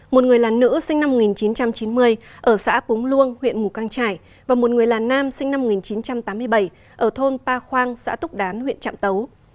một người là nữ sinh năm một nghìn chín trăm chín mươi ở xã búng luông huyện ngũ căng trải và một người là nam sinh năm một nghìn chín trăm tám mươi bảy ở thôn pa khoang xã túc đán huyện trạm tấu